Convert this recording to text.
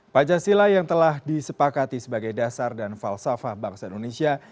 pancasila yang telah disepakati sebagai dasar dan falsafah bangsa indonesia